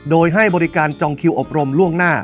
โดยให้บริการจองคิวอบรมล่วงหน้า